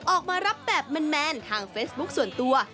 ออกมารับแบบแมนทางเฟซบุ๊คส่วนตัว